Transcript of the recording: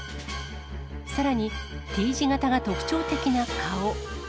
さらにＴ字型が特徴的な顔。